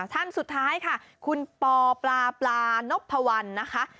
ท่านสุดท้ายค่ะคุณปอปลาปลานพพวันนะคะ